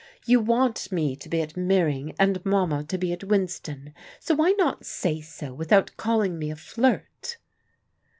"You want me to be at Meering, and Mama to be at Winston. So why not say so without calling me a flirt?"